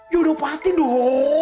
yaudah pasti dong